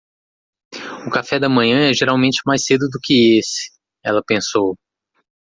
O café da manhã é geralmente mais cedo do que esse?, ela pensou.